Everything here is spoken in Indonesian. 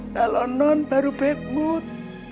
kalau non baru bad mood